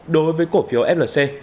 đối với cổ phiếu flc